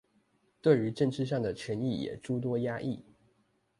對於政治上的權益也諸多壓抑